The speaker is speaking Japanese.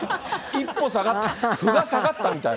一歩下がって、歩が下がったみたいな。